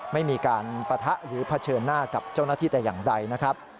ไม่มีการปะทะหรือเผชิญหน้ากับเจ้าหน้าที่แต่อย่างใดนะครับ